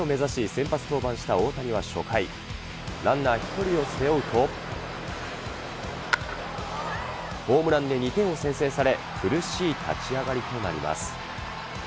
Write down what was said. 先発登板した大谷は初回、ランナー１人を背負うと、ホームランで２点を先制され、苦しい立ち上がりとなります。